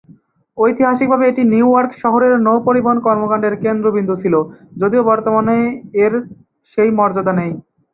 ঐতিহাসিকভাবে এটি New York শহরের নৌপরিবহন কর্মকাণ্ডের কেন্দ্রবিন্দু ছিল, যদিও বর্তমানে এর সেই মর্যাদা নেই।